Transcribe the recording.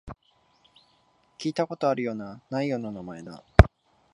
聞いたことあるような、ないような名前だ